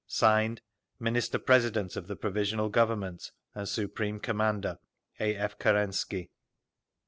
Signed: Minister President of the Provisional Government and Supreme Commander A. F. KERENSKY.